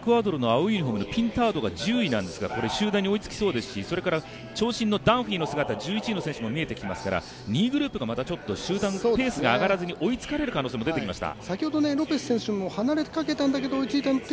ピンタードが１０位なんですが、集団に追いつきそうですし、長身のダンフィーの姿、１１位の選手も見えてきましたから２位グループのペースが上がらずに追いつかれる可能性が出てきました。